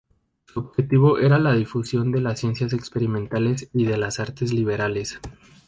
Su objetivo era la difusión de las ciencias experimentales y de las artes liberales.